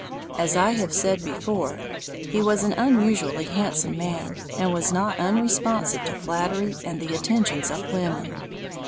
As I have said before, he was an unusually handsome man, and was not unresponsive to flattery and the attentions of women.